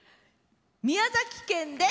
宮崎県です。